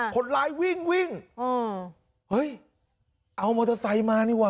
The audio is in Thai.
คนร้ายวิ่งวิ่งเฮ้ยเอามอเตอร์ไซค์มานี่ว่